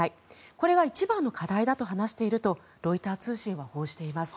これが一番の課題だと話しているとロイター通信は報じています。